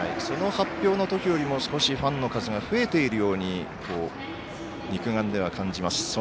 その発表のときよりも少しファンの数が増えているように肉眼では感じます。